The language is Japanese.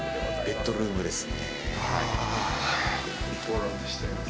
ベッドルームですね。